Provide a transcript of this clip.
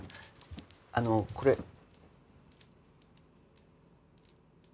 あのこれ。